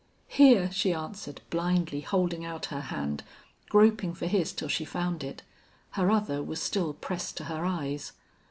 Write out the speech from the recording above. "Here," she answered, blindly holding out her hand, groping for his till she found it. Her other was still pressed to her eyes.